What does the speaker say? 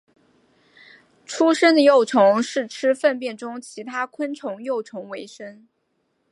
出生的幼虫是吃粪便中其他昆虫幼虫为生。